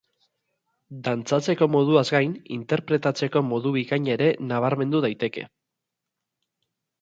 Dantzatzeko moduaz gain, interpretatzeko modu bikaina ere nabarmendu daiteke.